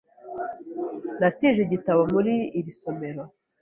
Natije igitabo muri iri somero.